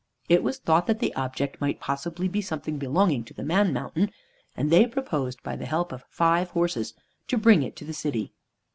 It was thought that the object might possibly be something belonging to the Man Mountain, and they proposed by the help of five horses to bring it to the city.